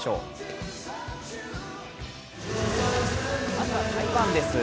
まずは台湾です。